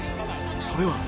それは。